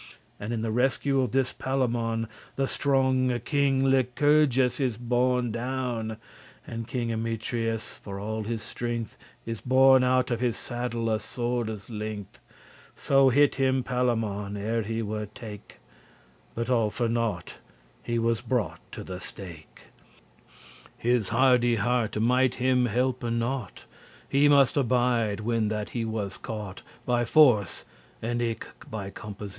And in the rescue of this Palamon The stronge king Licurgus is borne down: And king Emetrius, for all his strength Is borne out of his saddle a sword's length, So hit him Palamon ere he were take: But all for nought; he was brought to the stake: His hardy hearte might him helpe naught, He must abide when that he was caught, By force, and eke by composition*.